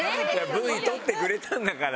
Ｖ撮ってくれたんだからさ。